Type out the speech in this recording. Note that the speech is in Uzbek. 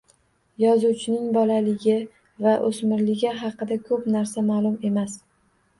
Yozuvchining bolaligi va o`smirligi haqida ko`p narsa ma`lum emas